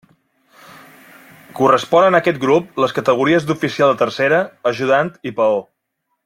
Corresponen a aquest grup les categories d'oficial de tercera, ajudant i peó.